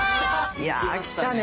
いや来たね。